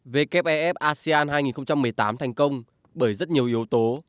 wef asean hai nghìn một mươi tám thành công bởi rất nhiều yếu tố